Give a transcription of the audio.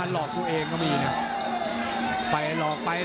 ต้องถามสัจใจน้อย